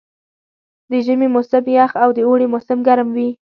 د ژمي موسم یخ او د اوړي موسم ګرم وي.